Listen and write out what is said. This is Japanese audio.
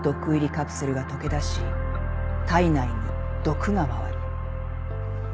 カプセルが溶けだし体内に毒が回る。